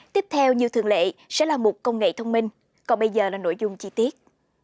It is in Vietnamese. tiếp theo như thường lệ sẽ là một công nghệ thông minh còn bây giờ là nội dung chi tiết